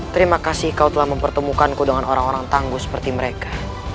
terima kasih telah mempertemukanku dengan orang orang tangguh seperti mereka